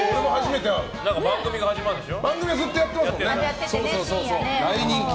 番組が始まるんでしょ？